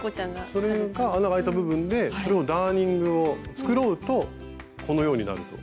それが穴があいた部分でそれをダーニングを繕うとこのようになると。